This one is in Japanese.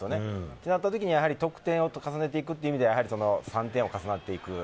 そうなったときに得点を重ねていくという意味では、３点を重ねていく。